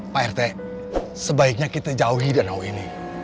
pak rt sebaiknya kita jauhi danau ini